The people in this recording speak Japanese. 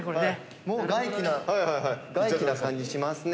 もう外気な感じしますね。